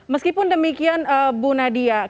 meskipun demikian bu nadia